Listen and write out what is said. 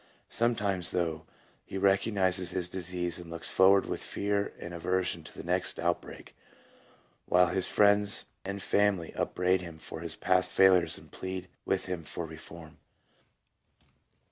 Sometimes, though, he recog nizes his disease and looks forward with fear and aversion to the next outbreak, while his friends and family upbraid him for his past failures and plead with him for reform.